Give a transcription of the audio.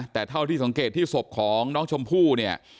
แต่เท่าที่สังเกตที่ศพของน้องชมพู่เนี่ย